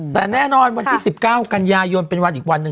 แต่แน่นอนวันที่๑๙กันยายนเป็นวันอีกวันหนึ่ง